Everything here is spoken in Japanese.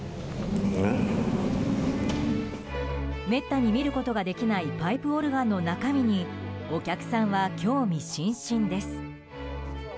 めったに見ることができないパイプオルガンの中身にお客さんは興味津々です。